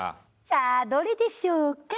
さあどれでしょうか？